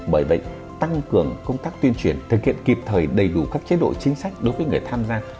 bởi vậy tăng cường công tác tuyên truyền thực hiện kịp thời đầy đủ các chế độ chính sách đối với người tham gia